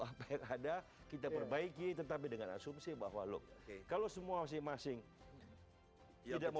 apa yang ada kita perbaiki tetapi dengan asumsi bahwa loh kalau semua masing masing tidak mau